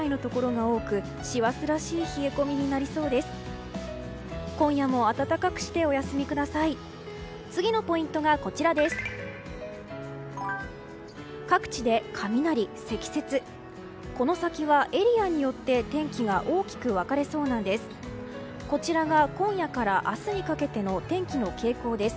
この先はエリアによって天気が大きく分かれそうなんです。